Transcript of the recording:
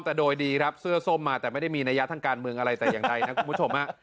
แต่ไม่ได้มีนัยยะทางการเมืองอะไรแต่อย่างไรนะคุณผู้ชม